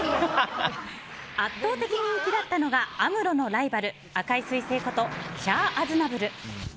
圧倒的人気だったのがアムロのライバル赤い彗星ことシャア・アズナブル。